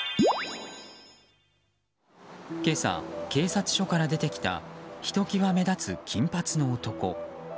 今朝、警察署から出てきたひと際目立つ金髪の男。